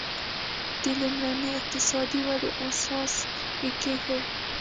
د لومړنۍ اقتصادي ودې اساس یې کېښود.